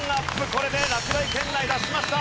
これで落第圏内脱しました。